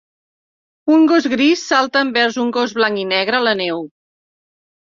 Un gos gris salta envers un gos blanc i negre a la neu.